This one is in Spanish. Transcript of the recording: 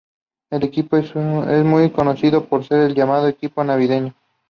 El Equipo es muy conocido por ser el llamado "Equipo Navideño".